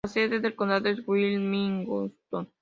La sede del condado es Wilmington.